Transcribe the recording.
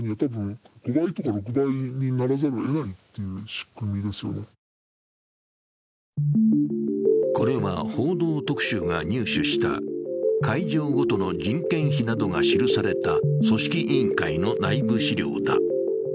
電通出身のＡ氏はこれは「報道特集」が入手した会場ごとの人件費などが記された組織委員会の内部資料だ。